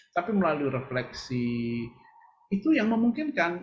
tapi melalui refleksi itu yang memungkinkan